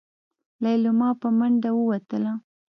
ليلما په منډه ووتله.